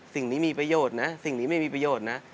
สิ่งนี้มีประโยชน์นะสิ่งนี้ไม่มีประโยชน์นะ